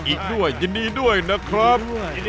อีกด้วยยินดีด้วยนะครับ